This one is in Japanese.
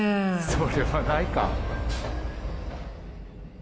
それはないか。